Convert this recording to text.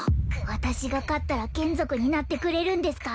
私が勝ったら眷属になってくれるんですか？